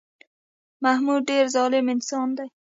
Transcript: محمود ډېر ظالم انسان دی